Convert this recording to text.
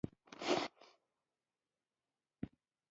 زه د ښې راتلونکي له پاره زحمت کاږم.